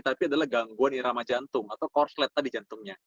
tapi adalah gangguan irama jantung atau korslet tadi jantungnya